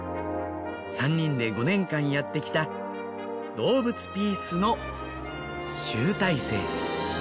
３人で５年間やってきた『どうぶつピース！！』の集大成。